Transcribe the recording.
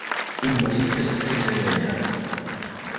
Un marit que s'assegui enganyat.